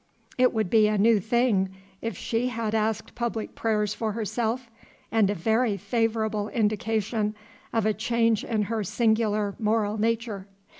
It would be a new thing, if she had asked public prayers for herself, and a very favorable indication of a change in her singular moral nature.